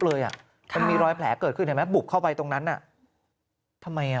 เลยอ่ะมันมีรอยแผลเกิดขึ้นเห็นไหมบุกเข้าไปตรงนั้นน่ะทำไมอ่ะ